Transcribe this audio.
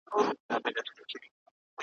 د نامردو له روز ګاره سره کار وي ,